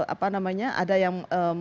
apa namanya ada yang